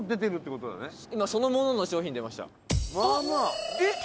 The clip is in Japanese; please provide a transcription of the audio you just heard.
今そのものの商品出ました。